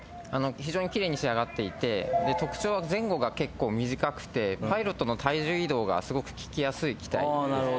非常にきれいに仕上がっていて特徴は前後が結構短くてパイロットの体重移動がすごく効きやすい機体です。